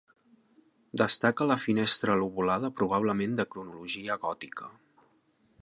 Destaca la finestra lobulada probablement de cronologia gòtica.